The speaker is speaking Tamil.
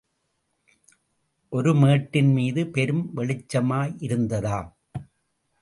ஒரு மேட்டின் மீது பெரும் வெளிச்சமாயிருந்ததாம்.